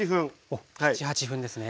おっ７８分ですね。